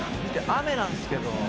雨なんですけど」